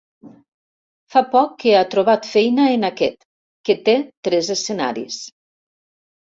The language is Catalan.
Fa poc que ha trobat feina en aquest, que té tres escenaris.